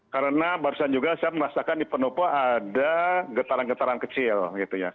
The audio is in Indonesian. karena barusan juga saya merasakan di penopo ada getaran getaran kecil gitu ya